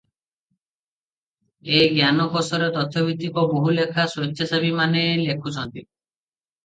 ଏ ଜ୍ଞାନକୋଷରେ ତଥ୍ୟଭିତ୍ତିକ ବହୁ ଲେଖା ସ୍ୱେଚ୍ଛାସେବୀମାନେ ଲେଖୁଛନ୍ତି ।